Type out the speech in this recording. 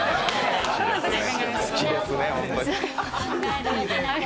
好きですね、ホントに。